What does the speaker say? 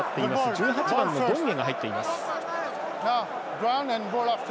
１８番のドンゲが入っています。